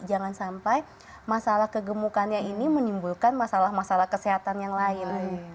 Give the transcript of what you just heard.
jangan sampai masalah kegemukannya ini menimbulkan masalah masalah kesehatan yang lain